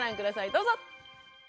どうぞ！